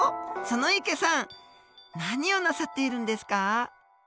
園池さん何をなさっているんですか？